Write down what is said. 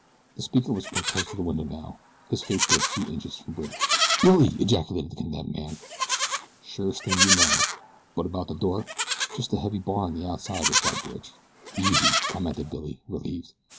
The speaker was quite close to the window now, his face but a few inches from Bridge's. "Billy!" ejaculated the condemned man. "Surest thing you know; but about the door?" "Just a heavy bar on the outside," replied Bridge. "Easy," commented Billy, relieved.